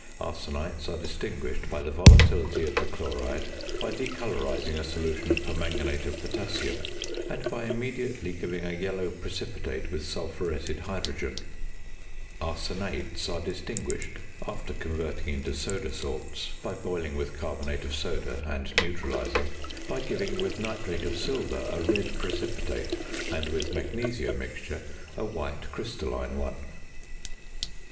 [Illustration FIG. 67.] Arsenites are distinguished by the volatility of the chloride; by decolorising a solution of permanganate of potassium, and by immediately giving a yellow precipitate with sulphuretted hydrogen. Arsenates are distinguished (after converting into soda salts by boiling with carbonate of soda and neutralising) by giving with nitrate of silver a red precipitate, and with "magnesia mixture" a white crystalline one.